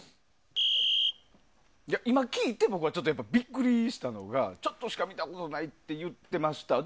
今、聞いて僕はちょっとビックリしたのはちょっとしか見たことないって言ってました。